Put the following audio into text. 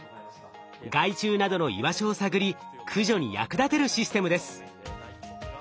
害虫などの居場所を探り駆除に役立てるシステムです。